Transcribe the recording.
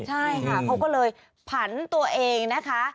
ใช่ค่ะเขาก็เลยผันตัวเองนะคะ